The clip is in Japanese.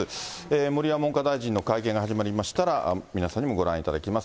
盛山文科大臣の会見が始まりましたら、皆さんにもご覧いただきます。